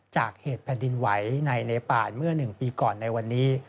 จากเหตุแผ่นดินไหวในเนป่านเมื่อ๑ปีก่อนในวันนี้